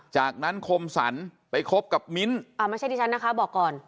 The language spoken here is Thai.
จากนั้นคมสรรไปคบกับมิ้นท์ไม่ใช่ดิฉันนะคะบอกก่อน